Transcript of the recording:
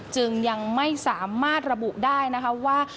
จึงยังไม่สามารถระบุได้นะคะว่า